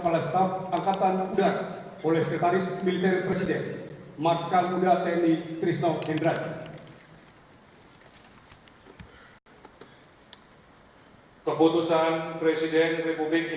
lalu kebangsaan indonesia baik